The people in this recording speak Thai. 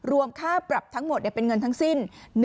ค่าปรับทั้งหมดเป็นเงินทั้งสิ้น